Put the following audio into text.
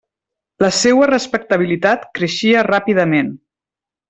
La seua respectabilitat creixia ràpidament.